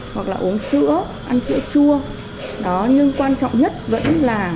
hoặc là uống sữa ăn sữa chua đó nhưng quan trọng nhất vẫn là vệ sinh răng miệng tốt